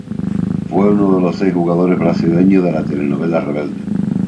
Fue uno de los seis jugadores brasileños de la telenovela "Rebelde".